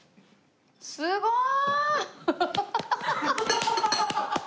すごい！